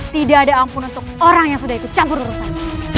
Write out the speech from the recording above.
tidak ada ampun untuk orang yang sudah ikut campur urusan